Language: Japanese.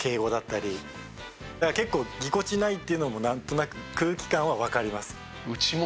結構ぎこちないっていうのもなんとなく空気感はわかります。